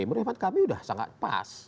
menurut kami sudah sangat pas